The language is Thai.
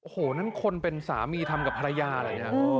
โหนั่นคนเป็นสามีทำกับภรรยาละเนี่ย